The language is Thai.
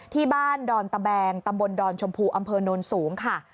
ดอนตะแบงตำบลดอนชมพูอำเภอโนนสูงค่ะ